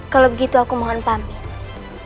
kalau begitu aku mohon pamit